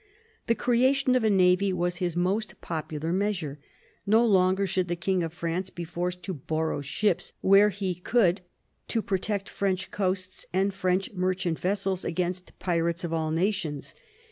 The creation of a navy was his most popular measure, No longer should the King of France be forced to borrow ships where he could, to protect French coasts and French merchant vessels against " pirates of all nations."